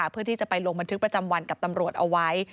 เพื่อที่จะไปลงบันทึกประจำวันกับตำรวจเอาไว้